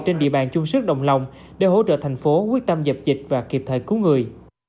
trên địa bàn chung sức đồng lòng để hỗ trợ thành phố quyết tâm dập dịch và kịp thời cứu người